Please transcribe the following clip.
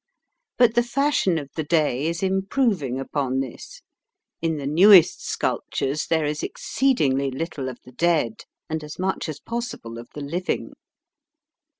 But the fashion of the day is improving upon this. In the newest sculptures there is exceedingly little of the dead, and as much as possible of the living.